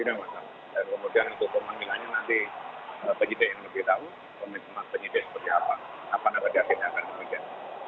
kemudian untuk pemanggilannya nanti penyedia yang lebih tahu penyedia seperti apa apa nama penyedia yang akan diberikan